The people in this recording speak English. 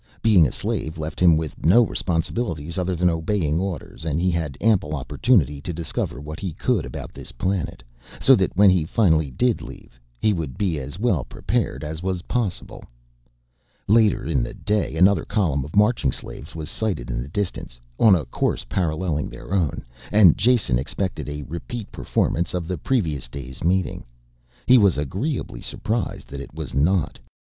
Being a slave left him with no responsibilities other than obeying orders and he had ample opportunity to discover what he could about this planet, so that when he finally did leave he would be as well prepared as was possible. Later in the day another column of marching slaves was sighted in the distance, on a course paralleling their own, and Jason expected a repeat performance of the previous day's meeting. He was agreeably surprised that it was not.